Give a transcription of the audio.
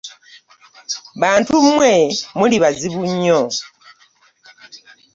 Bantu mmwe buli bazibu nnyo.